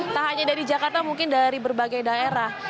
tak hanya dari jakarta mungkin dari berbagai daerah